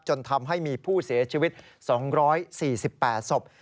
จนทำให้มีผู้เสียชีวิต๒๔๘ศพ